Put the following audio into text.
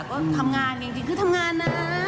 ก็ทำงานจริงคือทำงานนะ